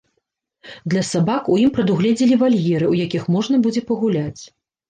Для сабак у ім прадугледзелі вальеры, у якіх можна будзе пагуляць.